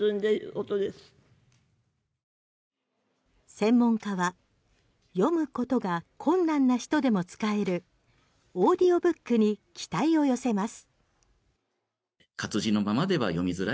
専門家は読むことが困難な人でも使えるオーディオブックに期待を寄せます。